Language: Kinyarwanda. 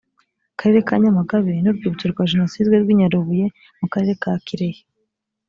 karere ka nyamagabe n urwibutso rwa jenoside rw i nyarubuye mu karere ka kirehe